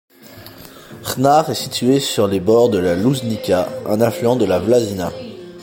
Grnčar est situé sur les bords de la Lužnica, un affluent de la Vlasina.